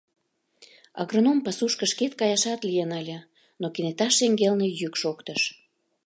Агроном пасушко шкет каяшат лийын ыле, но кенета шеҥгелне йӱк шоктыш: